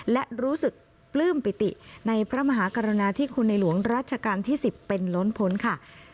และรู้สึกปลื้มปิติในพระมหากรณาที่คุณในหลวงรัชกาลที่๑๐เป็นล้นพ้นค่ะ